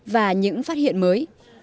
và những phát hiện mới